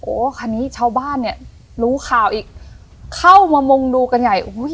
โอ้คันนี้ชาวบ้านเนี้ยรู้ข่าวอีกเข้ามามงดูกันใหญ่อุ้ย